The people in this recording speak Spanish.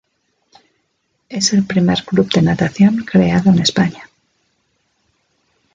Es el primer club de natación creado en España.